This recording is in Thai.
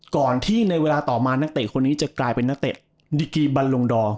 ก่อนที่ในเวลาต่อมานักเตะคนนี้จะกลายเป็นนักเตะดิกีบันลงดอร์